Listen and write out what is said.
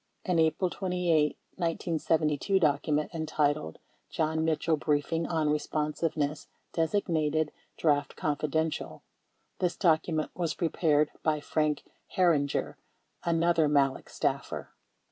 An April 28, 1972, document entitled "John Mitchell Briefing On Eesponsiveness" designated "Draft Confidential." This document was prepared by Frank Herringer, another Malek staffer.